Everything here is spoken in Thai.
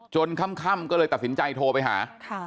ค่ำก็เลยตัดสินใจโทรไปหา